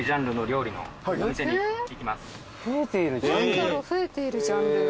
何だろう増えているジャンル。